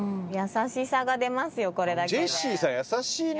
ジェシーさん優しいね。